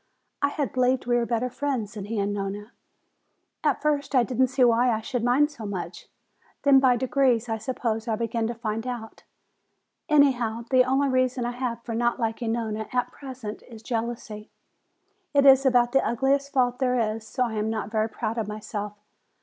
I had believed we were better friends than he and Nona. At first I didn't see why I should mind so much, then by degrees I suppose I began to find out. Anyhow, the only reason I have for not liking Nona at present is jealousy. It is about the ugliest fault there is, so I'm not very proud of myself.